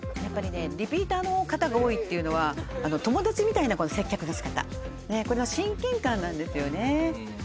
リピーターの方が多いっていうのは友達みたいな接客の仕方これは親近感なんですよね